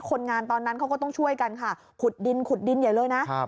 คนงานตอนนั้นเขาก็ต้องช่วยกันค่ะขุดดินขุดดินใหญ่เลยนะ